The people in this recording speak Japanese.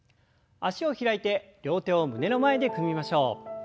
脚を開いて両手を胸の前で組みましょう。